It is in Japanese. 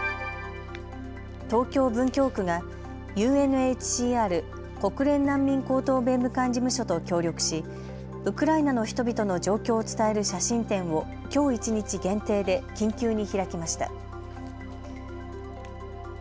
東京文京区がＵＮＨＣＲ・国連難民高等弁務官事務所と協力しウクライナの人々の状況を伝える写真展をきょう一日限定で緊急に開きました。